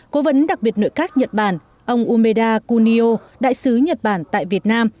cố vấn đặc biệt nội các nhật bản ông umeda kunio đại sứ nhật bản tại việt nam